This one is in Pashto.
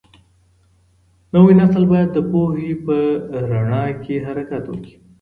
نوی نسل باید د پوهې په رڼا کي حرکت وکړي.